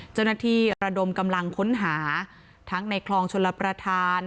เจ้าหน้าที่ระดมกำลังค้นหาทั้งในคลองชนระประทาน